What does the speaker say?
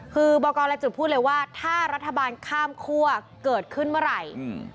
คือบอกกรและจุดพูดเลยว่าถ้ารัฐบาลข้ามคั่วเกิดขึ้นเมื่อไหร่